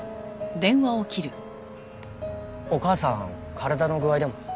お母さん体の具合でも？